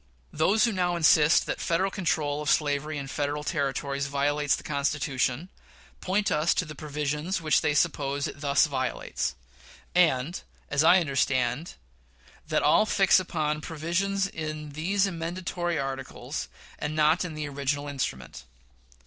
Those who now insist that Federal control of slavery in Federal Territories violates the Constitution, point us to the provisions which they suppose it thus violates; and, as I understand, they all fix upon provisions in these amendatory articles, and not in the original instrument.